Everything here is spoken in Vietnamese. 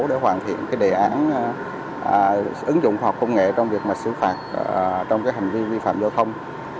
để hoàn thiện đề án ứng dụng khoa học công nghệ trong việc xử phạt trong hành vi vi phạm giao thông